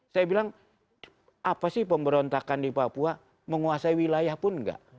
saya bilang apa sih pemberontakan di papua menguasai wilayah pun enggak